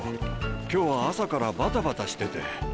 今日は朝からバタバタしてて。